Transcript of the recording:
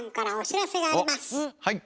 はい。